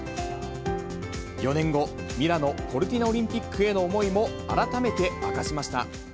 ４年後、ミラノ・コルティナオリンピックへの思いも改めて明かしました。